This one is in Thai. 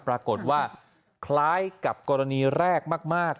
ปรากฏว่าคล้ายกับกรณีแรกมาก